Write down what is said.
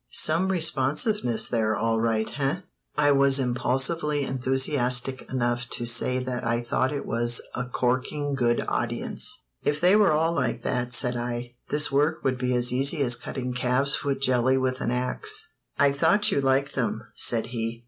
Some responsiveness there, all right, eh?" I was impulsively enthusiastic enough to say that I thought it was a "corking good audience." "If they were all like that," said I, "this work would be as easy as cutting calves foot jelly with an ax." "I thought you liked them," said he.